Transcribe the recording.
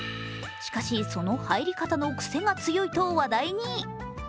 しかし、その入り方の癖が強いと話題に。